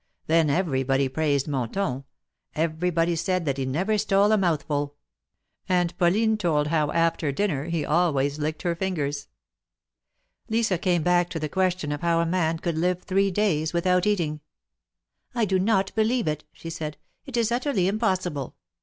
Then everybody praised Monton. Everybody said that he never stole a mouthful. And Pauline told how after dinner he always licked her fingers. Lisa came back to the question of how a man could live three days without eating. " I do not believe it," she said. " It is utterly impos sible.